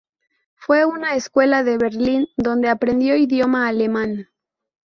Fue a una escuela de Berlín, donde aprendió idioma alemán.